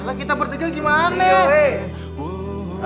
lah kita bertegang gimana